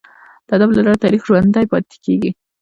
د ادب له لاري تاریخ ژوندي پاته کیږي.